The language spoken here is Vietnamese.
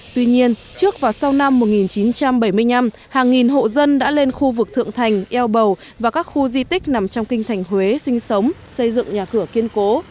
tuy nhiên trước và sau năm một nghìn chín trăm bảy mươi năm hàng nghìn hộ dân đã lên khu vực thượng thành eo bầu và các khu di tích nằm trong kinh thành huế sinh sống xây dựng nhà cửa kiên cố